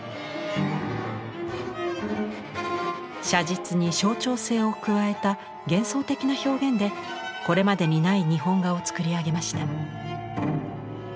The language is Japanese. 写実に象徴性を加えた幻想的な表現でこれまでにない日本画を作り上げました。